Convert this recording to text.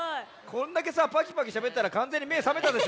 こんだけさパキパキしゃべったらかんぜんにめさめたでしょ？